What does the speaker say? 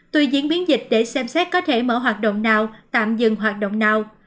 tuy diễn biến dịch để xem xét có thể mở hoạt động nào tạm dừng hoạt động nào